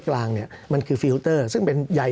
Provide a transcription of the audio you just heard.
สำหรับกำลังการผลิตหน้ากากอนามัย